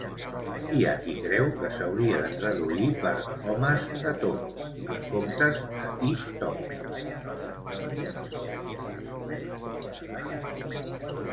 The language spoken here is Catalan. Hi ha qui creu que s'hauria de traduir per "homes de Tob", en comptes de "Ishtob".